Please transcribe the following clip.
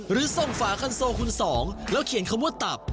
หรือส่งฝาคันโซคุณสองแล้วเขียนคำว่าตับ